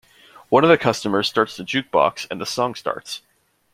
One of the customers starts the Jukebox and the song starts.